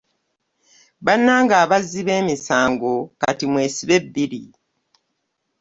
Bannange abazzi b'emisango kati mwesibe bbiri.